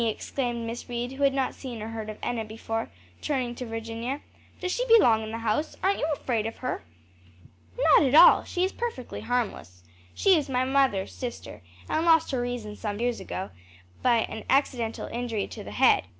exclaimed Miss Reed, who had not seen or heard of Enna before, turning to Virginia, "does she belong in the house? aren't you afraid of her?" "Not at all; she is perfectly harmless. She is my mother's sister, and lost her reason some years ago, by an accidental injury to the head."